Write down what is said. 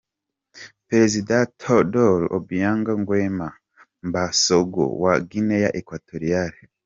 Perezida Teodoro Obiang Nguema Mbasogo wa Guinee Equatoriale.